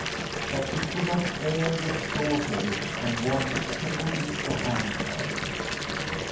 But she could not bear the thought of it and wanted to put it behind her.